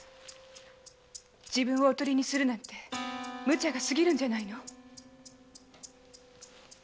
自分をオトリにするなんてムチャが過ぎるんじゃないの。